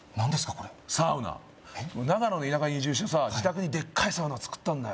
これサウナ長野の田舎に移住してさ自宅にデッカいサウナ作ったんだよ